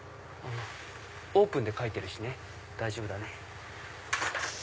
オープンって書いてるしね大丈夫だね。